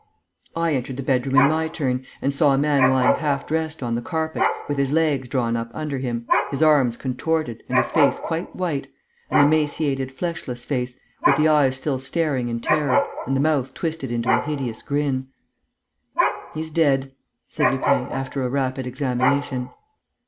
I entered the bedroom, in my turn, and saw a man lying half dressed on the carpet, with his legs drawn up under him, his arms contorted and his face quite white, an emaciated, fleshless face, with the eyes still staring in terror and the mouth twisted into a hideous grin. "He's dead," said Lupin, after a rapid examination.